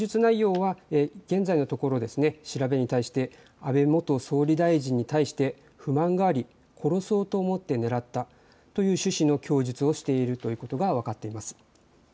供述内容は現在のところ調べに対して安倍元総理大臣に対して不満があり殺そうと思って狙ったという趣旨の供述をしているということが分かっています。